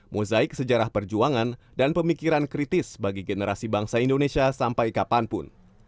mozaik sejarah perjuangan dan pemikiran kritis bagi generasi bangsa indonesia sampai kapanpun